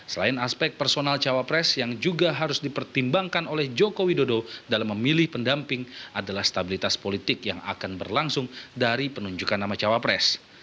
selain aspek personal cawapres yang juga harus dipertimbangkan oleh joko widodo dalam memilih pendamping adalah stabilitas politik yang akan berlangsung dari penunjukan nama cawapres